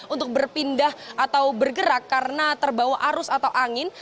untuk berpindah atau bergerak karena terbawa arus atau angin